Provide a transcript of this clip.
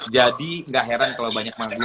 jadi gak heran kalau banyak orang yang nanya